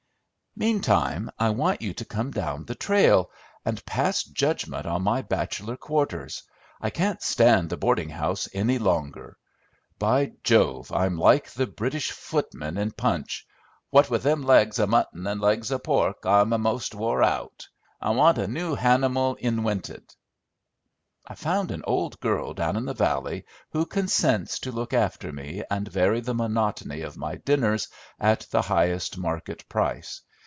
"Meantime, I want you to come down the trail, and pass judgment on my bachelor quarters. I can't stand the boarding house any longer! By Jove, I'm like the British footman in 'Punch,' 'what with them legs o' mutton and legs o' pork, I'm a'most wore out! I want a new hanimal inwented!' I've found an old girl down in the valley who consents to look after me and vary the monotony of my dinners at the highest market price.